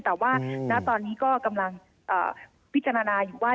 แต่ว่าณตอนนี้ก็กำลังพิจารณาอยู่ว่า